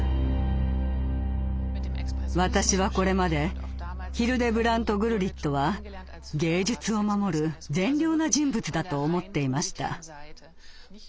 私はこれまでヒルデブラント・グルリットは芸術を守る善良な人物だと思っていました。